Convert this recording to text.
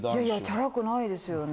チャラくないですよね。